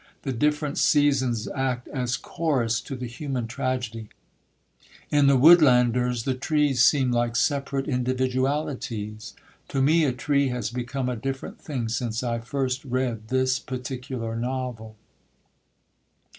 The different seasons act as chorus to the human tragedy. In The Woodlanders the trees seem like separate individualities. To me a tree has become a different thing since I first read this particular novel.